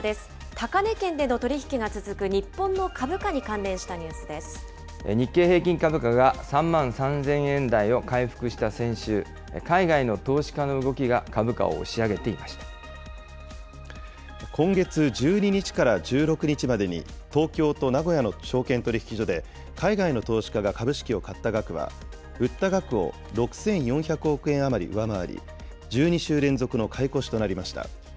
高値圏での取り引きが続く日本の日経平均株価が３万３０００円台を回復した先週、海外の投資家の動きが株価を押し上げていま今月１２日から１６日までに、東京と名古屋の証券取引所で、海外の投資家が株式を買った額は、売った額を６４００億円余り上回り、１２週連続の買い越しとなりました。